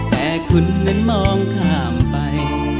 แต่คุณนั้นมองข้ามไป